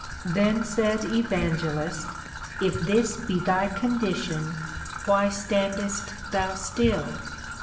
Then said Evangelist, If this be thy condition, why standest thou still?